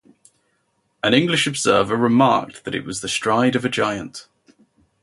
An English observer remarked that it was the stride of a giant.